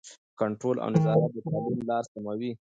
کنټرول او نظارت د تعلیم لاره سموي.